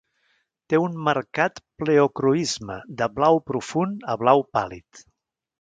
Té un marcat pleocroisme de blau profund a blau pàl·lid.